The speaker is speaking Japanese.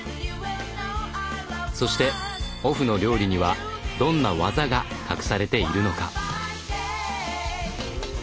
そしてオフの料理にはどんな技が隠されているのか？